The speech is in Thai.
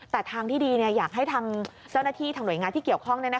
แต่ทางที่ดีอยากให้ทางเจ้าหน้าที่ทางหน่วยงานที่เกี่ยวข้อง